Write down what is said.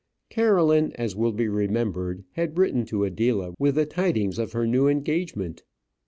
Caroline, as will be remembered, had written to Adela with the tidings of her new engagement.